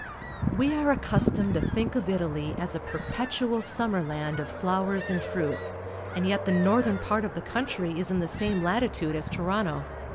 We are accustomed to tliink of Italy as a perpetual sirmmer land of flowers and fruit, and yet the northern part of the country is in the same latitude as Toronto.